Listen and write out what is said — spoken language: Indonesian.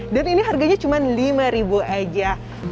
dan ini harganya cuma rp lima saja